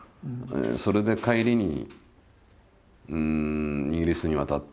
それで帰りにイギリスに渡って。